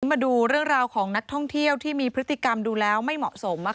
มาดูเรื่องราวของนักท่องเที่ยวที่มีพฤติกรรมดูแล้วไม่เหมาะสม